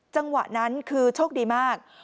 จังหวะนั้นคือโชคดีมาก